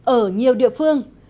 ở nhiều địa phương